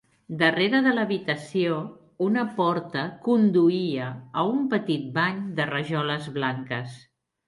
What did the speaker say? Darrere de l'habitació, una porta conduïa a un petit bany de rajoles blanques.